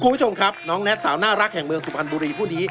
คุณผู้ชมครับน้องแน็ตสาวน่ารักแห่งเมืองสุพรรณบุรีผู้นี้